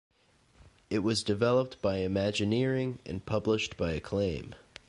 It was developed by Imagineering and published by Acclaim.